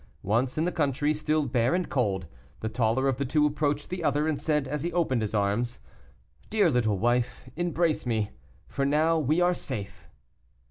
Once in the country, still bare and cold, the taller of the two approached the other, and said, as he opened his arms: "Dear little wife, embrace me, for now we are safe."